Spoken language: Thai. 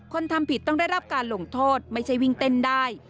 ทำผิดต้องได้รับการลงโทษไม่ใช่วิ่งเต้นได้